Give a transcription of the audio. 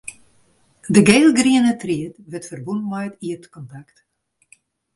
De gielgriene tried wurdt ferbûn mei it ierdkontakt.